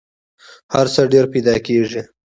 هر څه ډېر پیدا کېږي .